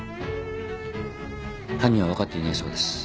犯人は分かっていないそうです。